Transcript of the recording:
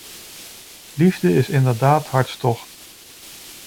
Liefde is inderdaad hartstocht.